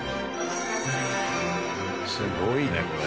すごいねこれ。